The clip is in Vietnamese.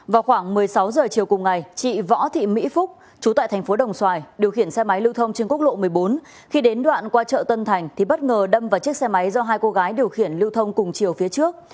vào khoảng một mươi sáu h chiều cùng ngày chị võ thị mỹ phúc chú tại thành phố đồng xoài điều khiển xe máy lưu thông trên quốc lộ một mươi bốn khi đến đoạn qua chợ tân thành thì bất ngờ đâm vào chiếc xe máy do hai cô gái điều khiển lưu thông cùng chiều phía trước